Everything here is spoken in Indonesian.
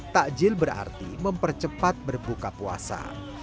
takjil berarti mempercepat berbuka puasa